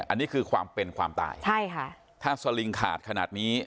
อันนี้คือความเป็นความตายใช่ค่ะถ้าสลิงขาดขนาดนี้